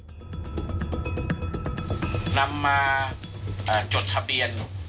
นำมาจดทะเบียน